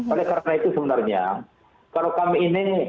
oleh karena itu sebenarnya kalau kami ini